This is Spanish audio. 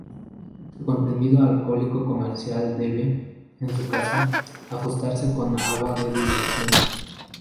Su contenido alcohólico comercial debe, en su caso, ajustarse con agua de dilución.